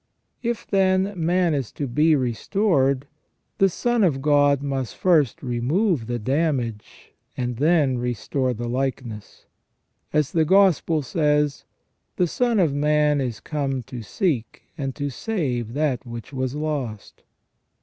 If, then, man is to be restored, the Son of God must first remove the damage, and then restore the likeness. As the Gospel says : "The Son of Man is come to seek and to save that which was lost